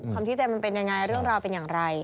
คำชี้แจงมันเป็นอย่างไรเรื่องราวเป็นอย่างไร